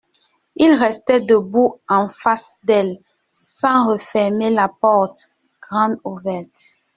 Il restait debout, en face d'elle, sans refermer la porte grande ouverte.